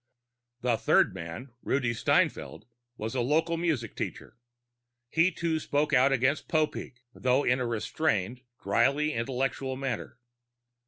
The third man, Rudi Steinfeld, was a local music teacher. He, too, spoke out against Popeek, though in a restrained, dryly intellectual manner.